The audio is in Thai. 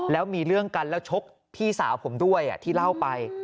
แล้วมีเรื่องกันแล้วชกพี่สาวผมด้วยที่เล่าไป